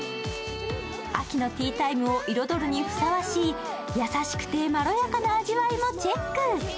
秋のティータイムを彩るのにふさわしい優しくて、まろやかな味わいもチェック。